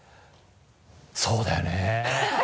そうだよね。